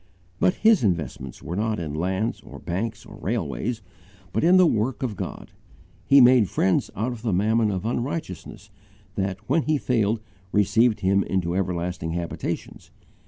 But his investments were not in lands or banks or railways, but in the work of God. He made friends out of the mammon of unrighteousness that when he failed received him into everlasting habitations.